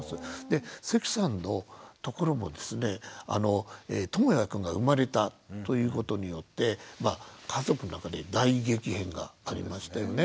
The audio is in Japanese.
で関さんのところもですねともやくんが生まれたということによって家族の中で大激変がありましたよね。